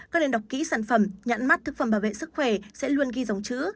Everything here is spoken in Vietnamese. các nên đọc kỹ sản phẩm nhãn mắt thực phẩm bảo vệ sức khỏe sẽ luôn ghi dòng chữ